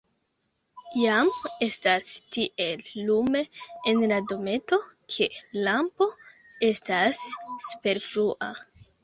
Jam estas tiel lume en la dometo, ke lampo estas superflua.